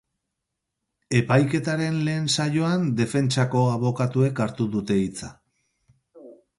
Epaiketaren lehen saioan defentsako abokatuek hartu dute hitza.